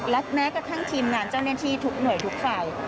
และแม้กระทั่งทีมงานเจ้าหน้าที่ทุกหน่วยทุกฝ่าย